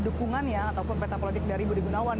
dukungannya ataupun peta politik dari budi gunawan